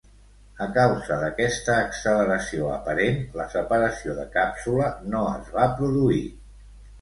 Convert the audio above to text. A causa d'aquesta acceleració aparent, la separació de càpsula no es va produir.